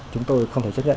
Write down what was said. chúng tôi không thể xác nhận